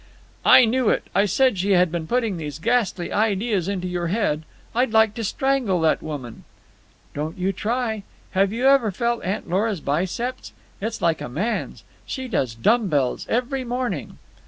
"I knew it! I said she had been putting these ghastly ideas into your head. I'd like to strangle that woman." "Don't you try! Have you ever felt Aunt Lora's biceps? It's like a man's. She does dumb bells every morning."